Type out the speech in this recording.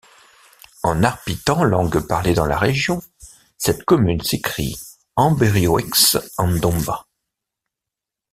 En arpitan, langue parlée dans la région, cette commune s'écrit Ambériœx-en-Domba.